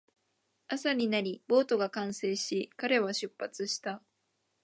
朝になり、ボートが完成し、彼は出発した